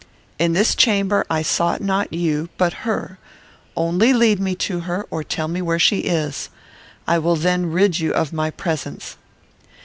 In this chamber I sought not you, but her. Only lead me to her, or tell me where she is. I will then rid you of my presence."